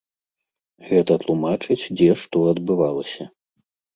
Гэта тлумачыць, дзе што адбывалася.